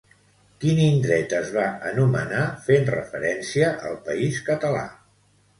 Quin indret es va anomenar fent referència al país català?